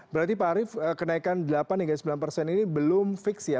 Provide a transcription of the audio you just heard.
berarti pak arief kenaikan delapan hingga sembilan persen ini belum fix ya